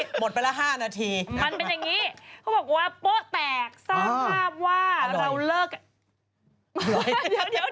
หมดไปละ๕นาทีมันเป็นอย่างนี้